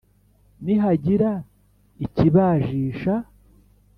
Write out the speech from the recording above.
nihagira ikibajisha